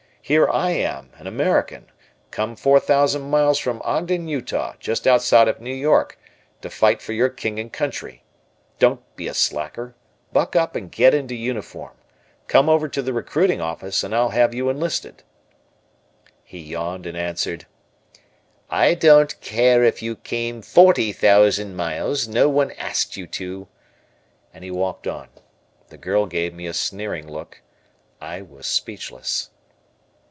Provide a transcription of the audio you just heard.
Here I am, an American, came four thousand miles from Ogden, Utah, just outside of New York, to fight for your King and Country. Don't be a slacker, buck up and get into uniform; come over to the recruiting office and I'll have you enlisted." He yawned and answered, "I don't care if you came forty thousand miles, no one asked you to," and he walked on. The girl gave me a sneering look; I was speechless.